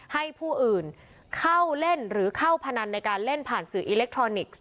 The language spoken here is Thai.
ให้ผู้อื่นเข้าเล่นหรือเข้าพนันในการเล่นผ่านสื่ออิเล็กทรอนิกส์